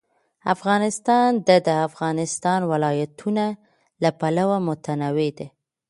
افغانستان د د افغانستان ولايتونه له پلوه متنوع دی.